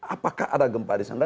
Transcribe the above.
apakah ada gempa di sana